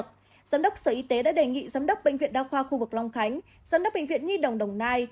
giám đốc sở y tế đã đề nghị giám đốc bệnh viện đa khoa khu vực long khánh giám đốc bệnh viện nhi đồng đồng nai